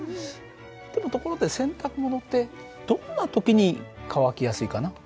でもところで洗濯物ってどんな時に乾きやすいかな？